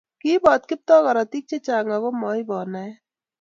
kiibot Kiptoo korotik che chang' aku maibot naet